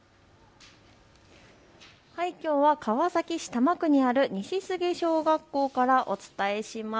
きょうは川崎市多摩区にある西菅小学校からお伝えします。